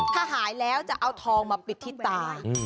ถ้าหายแล้วจะเอาทองมาปิดที่ตา